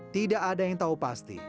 tidak ada yang tahu pasti